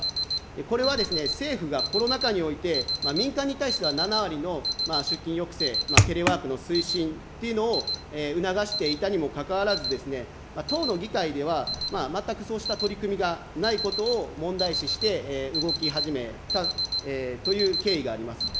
これはですね、政府がコロナ禍において、民間に対しては７割の出勤抑制、テレワークの推進というのを、促していたにもかかわらず、当の議会では、全くそうした取り組みがないことを問題視して動き始めたという経緯があります。